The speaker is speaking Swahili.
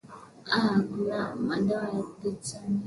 aa kuna dawa ya gentamycin